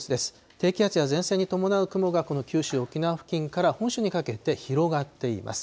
低気圧や前線に伴う雲がこの九州、沖縄付近から本州にかけて広がっています。